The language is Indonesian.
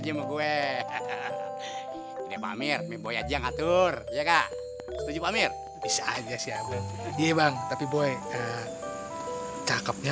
aja mau gue pamer pamer aja ngatur ya kak pamer bisa aja sih abang tapi boy cakepnya